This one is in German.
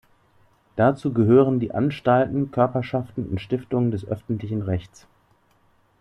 Dazu gehören die Anstalten, Körperschaften und Stiftungen des öffentlichen Rechts.